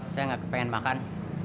saya gak kepengen makan